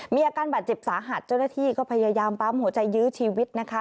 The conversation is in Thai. มีอาการบาดเจ็บสาหัสเจ้าหน้าที่ก็พยายามปั๊มหัวใจยื้อชีวิตนะคะ